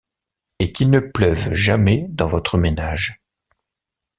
Et qu’il ne pleuve jamais dans votre ménage.